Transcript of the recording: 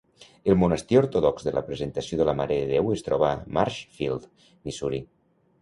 El monestir ortodox de la Presentació de la Mare de Déu es troba a Marshfield, Missouri.